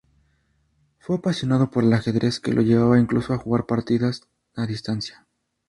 Fue apasionado por el ajedrez, que lo llevaba incluso a jugar partidas a distancia.